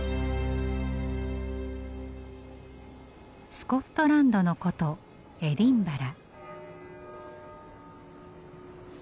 スコットランドの古都エディンバラ。